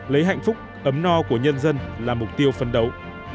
lấy hạnh phúc ấm no của nhân dân là mục tiêu phấn đấu